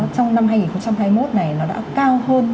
trong năm hai nghìn hai mươi một này nó đã cao hơn